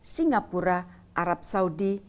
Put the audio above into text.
singapura arab saudi